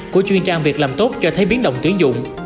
của chuyên trang việc làm tốt cho thấy biến động tuyến dụng